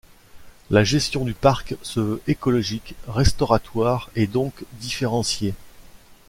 La gestion du Parc se veut écologique, restauratoire et donc différenciée.